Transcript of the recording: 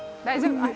大丈夫？